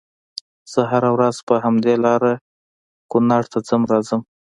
زه هره ورځ په همدې لار کونړ ته ځم راځم